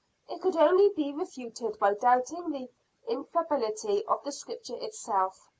It could only be refuted by doubting the infallibility of the Scripture itself.